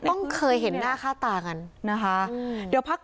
ต้องเคยเห็นหน้าค่าตากันนะคะ